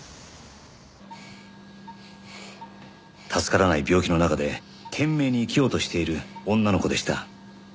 助からない病気の中で懸命に生きようとしている女の子でした。